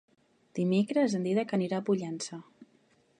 Dimecres en Dídac anirà a Pollença.